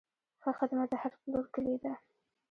ښه خدمت د هر پلور کلي ده.